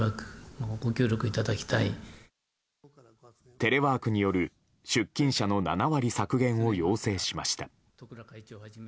テレワークによる出勤者の７割削減を要請しました。